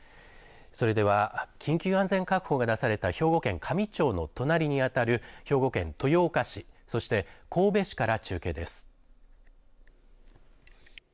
それでは緊急安全確保が出された兵庫県香美町の隣にあたる兵庫県豊岡市、そして神戸市から中継です。